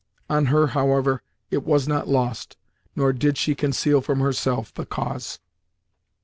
On her, however, it was not lost, nor did she conceal from herself the cause.